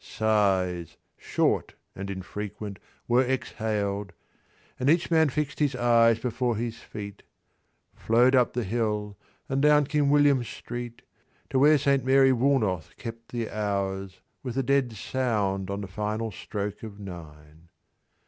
Sighs, short and infrequent, were exhaled, And each man fixed his eyes before his feet. Flowed up the hill and down King William Street, To where Saint Mary Woolnoth kept the hours With a dead sound on the final stroke of nine.